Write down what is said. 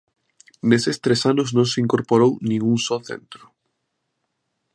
Neses tres anos non se incorporou nin un só centro.